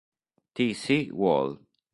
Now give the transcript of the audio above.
T. C. Wall.